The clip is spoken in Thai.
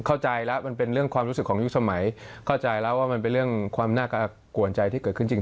เข้าใจแล้วมันเป็นเรื่องความรู้สึกของยุคสมัยเข้าใจแล้วว่ามันเป็นเรื่องความน่ากวนใจที่เกิดขึ้นจริง